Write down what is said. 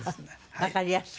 わかりやすく。